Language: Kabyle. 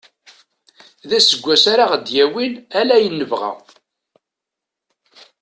D aseggas ara aɣ-d-yawin ala ayen nebɣa.